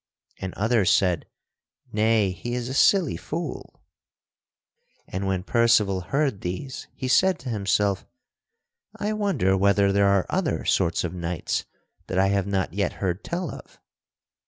And others said, "Nay, he is a silly fool." And when Percival heard these he said to himself: "I wonder whether there are other sorts of knights that I have not yet heard tell of?"